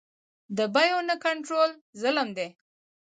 د بیو نه کنټرول ظلم دی.